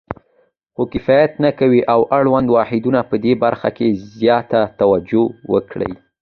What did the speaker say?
خو کفایت نه کوي او اړوند واحدونه پدې برخه کې زیاته توجه وکړي.